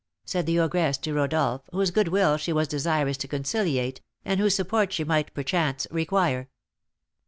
said the ogress to Rodolph, whose good will she was desirous to conciliate, and whose support she might, perchance, require.